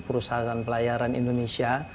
perusahaan pelayaran indonesia